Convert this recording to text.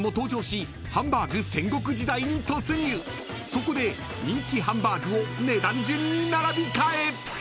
［そこで人気ハンバーグを値段順に並び替え］